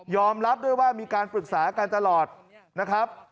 รับด้วยว่ามีการปรึกษากันตลอดนะครับ